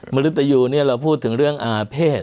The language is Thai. มรุตยูเนี่ยเราพูดถึงเรื่องอาเพศ